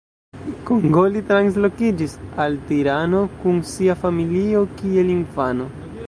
Kongoli translokiĝis al Tirano kun sia familio kiel infano.